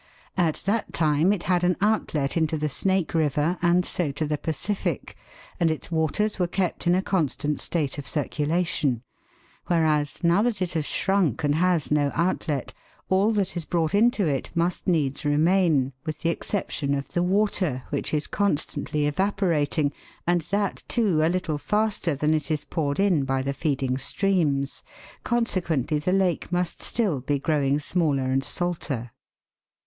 At that time it had an outlet into the Snake River and so to the Pacific, and its waters were kept in a constant state of circulation ; whereas, now that it has shrunk and has no outlet, all that is brought into it must needs remain, with the exception of the water, which is constantly evaporating, and that, too, a little faster than it is poured in by the feeding streams. Consequently, the lake must still be growing smaller and salter.